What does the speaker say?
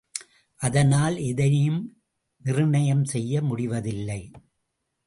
அதனால் எதையும் நிர்ணயம் செய்ய முடிவதில்லை.